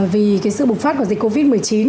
vì cái sự bùng phát của dịch covid một mươi chín